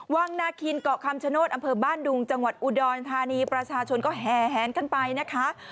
วังนาคินเกาะคำชโนธอำเภอบ้านดุงจังหวัดอุดรธานีประชาชนก็แห่แหนกันไปนะคะ